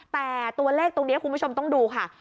แต่ตัวเลขตรงนี้คุณผู้ชมต้องดูค่ะ